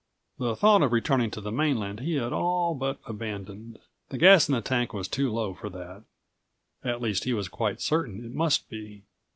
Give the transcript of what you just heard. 152 The thought of returning to the mainland he had all but abandoned. The gas in the tank was too low for that; at least he was quite certain it must be.